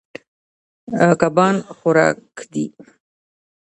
کبان خوراک دي.